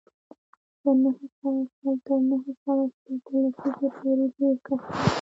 له نهه سوه شل تر نهه سوه شپېته لسیزې پورې ډېری کسان